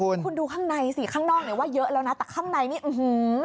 คุณดูข้างในสิข้างนอกเนี่ยว่าเยอะแล้วนะแต่ข้างในนี่อื้อหือ